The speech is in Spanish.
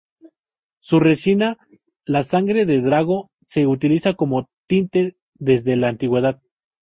Su resina, la sangre de drago, se utiliza como tinte desde la antigüedad.